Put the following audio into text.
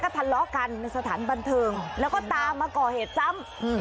ทะเลาะกันในสถานบันเทิงแล้วก็ตามมาก่อเหตุซ้ำ